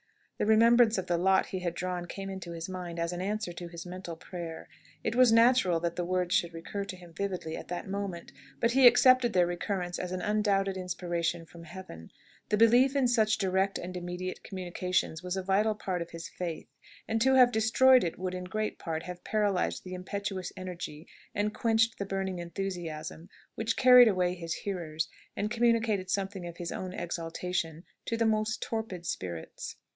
The remembrance of the lot he had drawn came into his mind, as an answer to his mental prayer. It was natural that the words should recur to him vividly at that moment, but he accepted their recurrence as an undoubted inspiration from Heaven. The belief in such direct and immediate communications was a vital part of his faith; and to have destroyed it would, in great part, have paralysed the impetuous energy, and quenched the burning enthusiasm, which carried away his hearers, and communicated something of his own exaltation to the most torpid spirits.